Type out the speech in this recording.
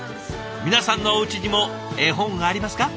皆さんのおうちにも絵本ありますか？